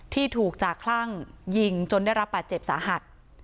ที่ถูกจากคลั่งยิงจนได้รับบาดเจ็บสาหัส